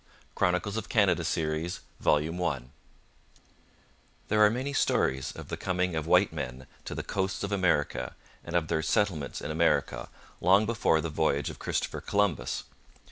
CHAPTER IV THE LEGEND OF THE NORSEMEN There are many stories of the coming of white men to the coasts of America and of their settlements in America long before the voyage of Christopher Columbus.